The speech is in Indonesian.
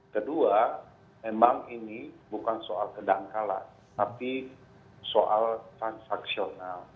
kedua memang ini bukan soal kedangkalan tapi soal transaksional